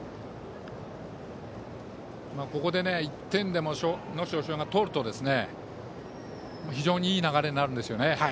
ここで１点でも能代松陽が取ると非常にいい流れになるんですよね。